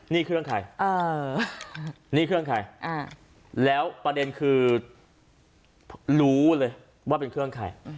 นี่เครื่องใครนี่เครื่องใครแล้วประเด็นคือรู้เลยว่าเป็นเครื่องใคร